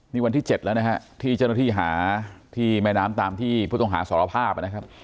นี่วันที่๗แล้วนะฮะที่เจ้าหน้าที่หาที่แม่น้ำตามที่ผู้ต้องหาสารภาพนะครับ